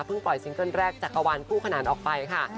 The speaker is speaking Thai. เพิ่งปล่อยซิงเกิลแรกจากกระวันผู้ขนานออกไปค่ะ